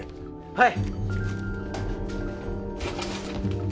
はい！